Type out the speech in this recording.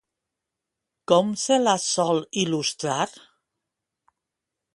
Com se la sol il·lustrar?